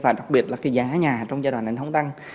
và đặc biệt là cái giá nhà trong giai đoạn này không tăng